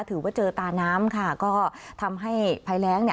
ถือว่าเจอตาน้ำค่ะก็ทำให้ภัยแรงเนี่ย